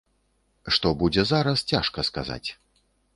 Што будзе зараз, цяжка сказаць.